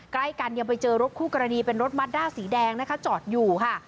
ใกล้กันยังไปเจอรถคู่กรณีเป็นรถมัดด้าสีแดงนะคะจอดอยู่ค่ะ